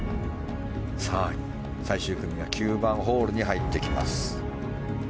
最終組が９番ホールに入っていきます。